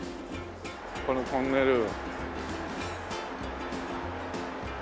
このトンネル。